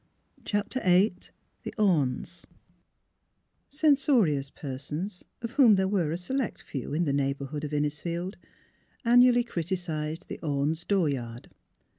'* CHAPTER VIII THE ORNES Censorious persons — of whom there were a se lect few in the neighbourhood of Innisfield — an nually criticised the Ornes' dooryard.